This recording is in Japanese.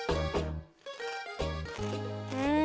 うん！